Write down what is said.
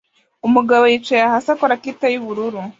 Umugabo yicaye hasi akora kite yubururu